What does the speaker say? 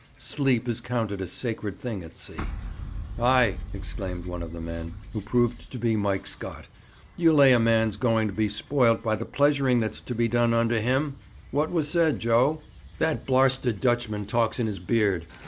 Sleep is counted a sacred thing at sea. 'Ay,' exclaimed one of the men, who proved to be Mike Scott, 'you lay a man's going to be spoilt by the pleasuring that's to be done under him. What was said, Joe?' 'That blarsted Dutchman talks in his beard.